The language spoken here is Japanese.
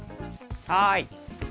はい。